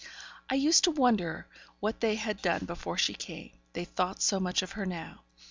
I used to wonder what they had done before she came, they thought so much of her now.